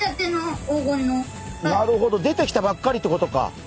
なるほど出てきたばっかりってことか。